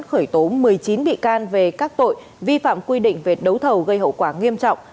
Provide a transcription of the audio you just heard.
khởi tố một mươi chín bị can về các tội vi phạm quy định về đấu thầu gây hậu quả nghiêm trọng